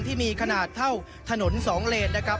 ที่มีขนาดเท่าถนน๒เลนนะครับ